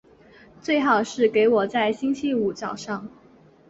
最好是给我在星期五早上